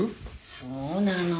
そうなの。